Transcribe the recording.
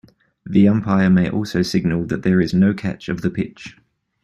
The umpire may also signal that there is "no catch" of the pitch.